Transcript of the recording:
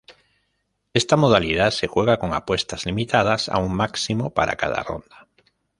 Esta modalidad se juega con apuestas limitadas a un máximo para cada ronda.